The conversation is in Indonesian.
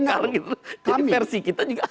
jadi versi kita juga